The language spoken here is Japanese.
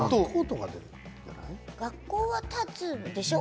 学校は立つでしょう？